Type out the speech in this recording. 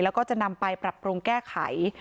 แล้วก็จะนำไปปรับปรุงแก้ไข